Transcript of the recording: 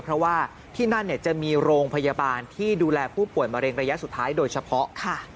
เพราะว่าที่นั่นจะมีโรงพยาบาลที่ดูแลผู้ป่วยมะเร็งระยะสุดท้ายโดยเฉพาะ